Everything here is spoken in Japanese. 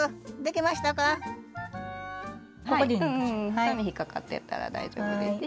２目引っ掛かってたら大丈夫です。